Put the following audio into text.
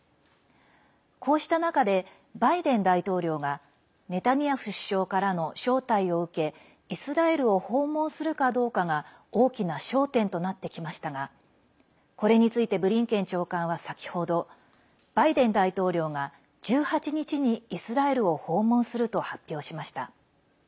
こうした中で、バイデン大統領がネタニヤフ首相からの招待を受けイスラエルを訪問するかどうかが大きな焦点となってきましたがこれについてブリンケン長官は先ほどバイデン大統領が１８日にイスラエルを訪問すると発表しました。